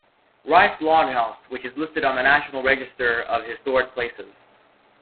Rice Log House, which is listed on the National Register of Historic Places.